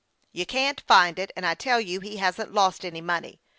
" You can't find it, and I tell you he hasn't lost any money.